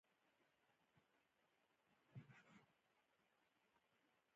د امریکا متحده ایالاتو پخواني ولسمشر جورج بوش.